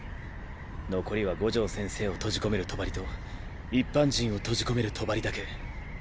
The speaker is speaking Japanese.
残りは五条先生を閉じ込める帳と一般人を閉じ込める帳だけ。